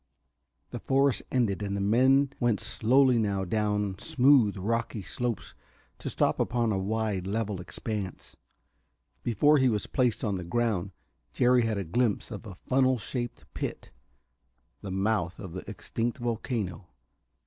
The forest ended, and the men went slowly now down smooth, rocky slopes to stop upon a wide, level expanse. Before he was placed on the ground Jerry had a glimpse of a funnel shaped pit the mouth of the extinct volcano.